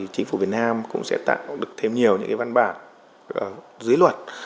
chính phủ việt nam cũng sẽ tạo được thêm nhiều những văn bản dưới luật